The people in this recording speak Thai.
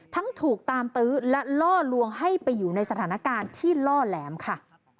ทั้งถูกตามตื้อและล่อลวงให้ไปอยู่ในสถานการณ์ที่ล่อแหลมค่ะ